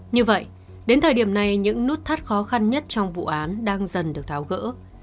như vậy đến thời điểm này những nút thắt khó khăn nhất trong vụ án đang dần được tháo gỡ